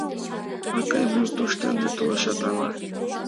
— Акый, мом тушто ынде толашат, ала?